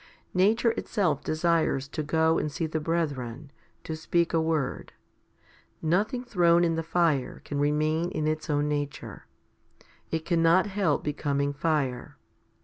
Nature itself desires to go and see the brethren, to speak a word. Nothing thrown in the fire can remain in its own nature. It cannot help becoming fire.